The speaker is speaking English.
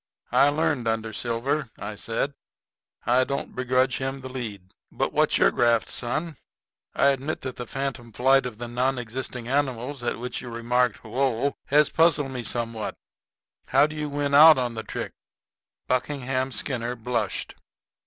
"I learned under Silver," I said; "I don't begrudge him the lead. But what's your graft, son? I admit that the phantom flight of the non existing animals at which you remarked 'Whoa!' has puzzled me somewhat. How do you win out on the trick?" Buckingham Skinner blushed.